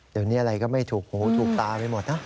เดี๋ยวนี้อะไรก็ไม่ถูกหูถูกตาไปหมดนะ